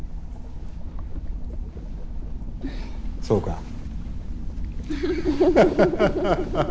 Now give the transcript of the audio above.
そうか？